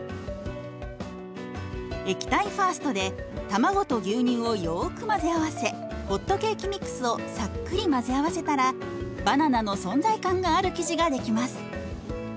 「液体ファースト」で卵と牛乳をよく混ぜ合わせホットケーキミックスをさっくり混ぜ合わせたらバナナの存在感がある生地が出来ます。